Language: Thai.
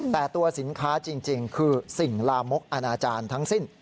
แต่ตัวสินค้าจริงคือสิ่งลามกอนาจารย์ทั้งสิ้น